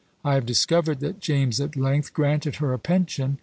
I have discovered that James at length granted her a pension.